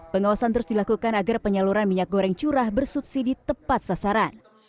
pengawasan terus dilakukan agar penyaluran minyak goreng curah bersubsidi tepat sasaran